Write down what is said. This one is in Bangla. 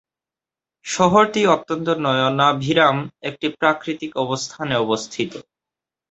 শহরটি অত্যন্ত নয়নাভিরাম একটি প্রাকৃতিক অবস্থানে অবস্থিত।